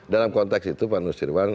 dalam konteks itu pak nusirwan